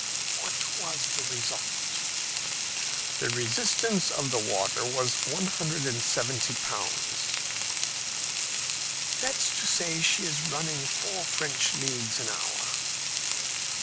"What was the result?" "The resistance of the water was 170 pounds." "That's to say she is running four French leagues an hour."